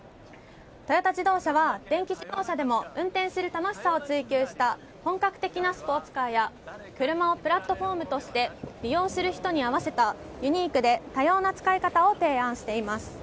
トヨタ自動車は電気自動車でも運転する楽しさを追求した本格的なスポーツカーや車をプラットフォームとして利用する人に合わせたユニークで多様な使い方を提案しています。